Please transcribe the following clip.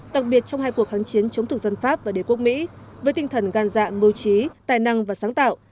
đặc biệt trong hai cuộc kháng chiến chống thực dân pháp và đế quốc mỹ với tinh thần gan dạ mưu trí tài năng và sáng tạo